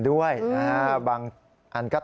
ด้วยบางอันก็